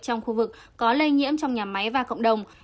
trong khu vực có lây nhiễm trong nhà máy và cộng đồng